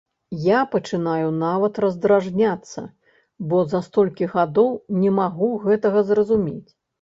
Я пачынаю нават раздражняцца, бо за столькі гадоў не магу гэта зразумець.